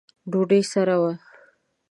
ډوډۍ سره ده